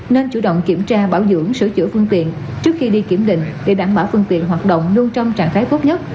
nên chủ động kiểm tra bảo dưỡng sửa chữa phương tiện trước khi đi kiểm định để đảm bảo phương tiện hoạt động lưu trong trạng thái tốt nhất